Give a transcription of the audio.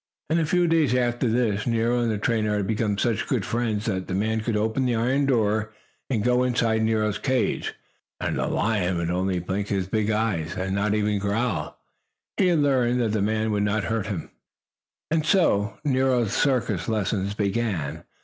And a few days after this Nero and the trainer had become such good friends that the man could open the iron door and go inside Nero's cage and the lion would only blink his big eyes, and not even growl. He had learned that the man would not hurt him. And so Nero's circus lessons began.